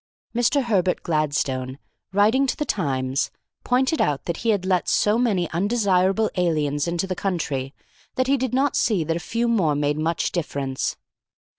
Mr. Herbert Gladstone, writing to the Times, pointed out that he had let so many undesirable aliens into the country that he did not see that a few more made much difference.